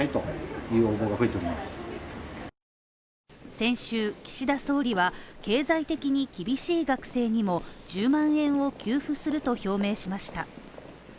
先週、岸田総理は経済的に厳しい学生にも１０万円を給付すると表明しました。